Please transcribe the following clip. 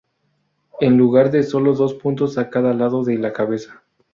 En lugar de solo dos puntos a cada lado de la cabeza.